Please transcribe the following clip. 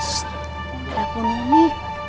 shhh ada ponuni